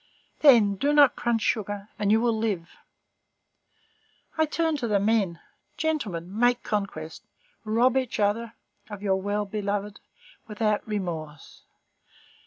Then, do not crunch sugar, and you will live. I turn to the men: gentlemen, make conquest, rob each other of your well beloved without remorse.